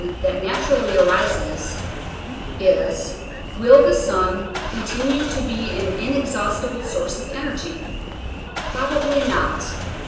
that naturally arises is, will the sun continue to be an inexhaustible source of energy? Probably not.